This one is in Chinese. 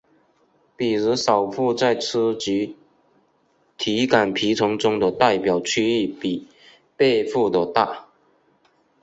比如手部在初级体感皮层中的代表区域比背部的大。